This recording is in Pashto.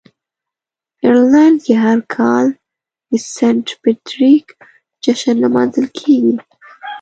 آیرلنډ کې هر کال د "سینټ پیټریک" جشن لمانځل کیږي.